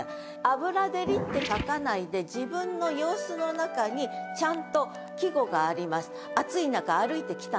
「油照り」って書かないで自分の様子の中にちゃんと季語があります。